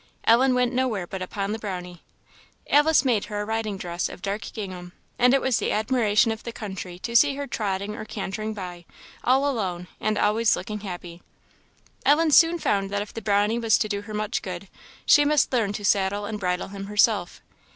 Ellen went nowhere but upon the Brownie. Alice made her a riding dress of dark gingham; and it was the admiration of the country to see her trotting or cantering by, all alone, and always looking happy. Ellen soon found that if the Brownie was to do her much good, she must learn to saddle and bridle him herself.